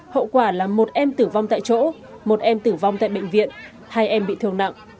hậu quả là một em tử vong tại chỗ một em tử vong tại bệnh viện hai em bị thương nặng